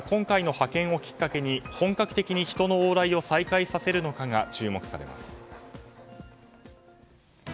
北朝鮮が今回の派遣をきっかけに本格的に人の往来を再開させるのかが注目されます。